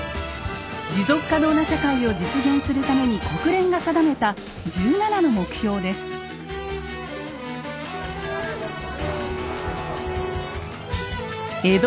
持続可能な社会を実現するために国連が定めた１７の目標です。